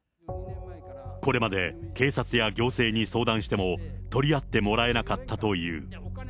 これまで警察や行政に相談しても、取り合ってもらえなかったという。